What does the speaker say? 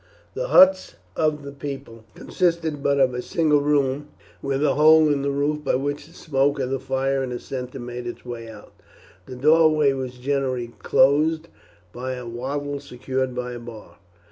The huts of the people consisted but of a single room, with a hole in the roof by which the smoke of the fire in the centre made its way out. The doorway was generally closed by a wattle secured by a bar.